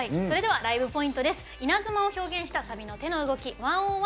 ライブポイントです。